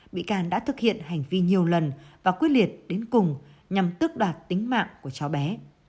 bị can đã thực hiện hành vi nhiều lần và quyết liệt đến cùng nhằm tước đoạt tính mạng của cháu bé